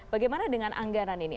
bagaimana dengan anggaran ini